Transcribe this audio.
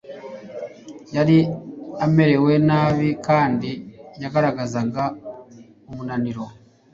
yari amerewe nabi kandi yagaragazaga umunaniro